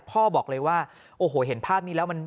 พ่อบอกเลยว่าโอ้โหเห็นภาพนี้แล้วมัน